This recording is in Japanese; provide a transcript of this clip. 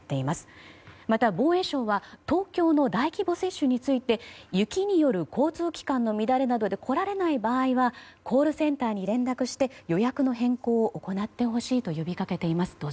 また防衛省は東京の大規模接種について雪による交通機関などの乱れなどによって来られない場合はコールセンターに連絡して予約の変更を行ってほしいと呼びかけています。